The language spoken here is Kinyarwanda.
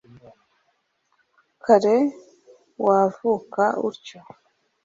kare wavuka utyo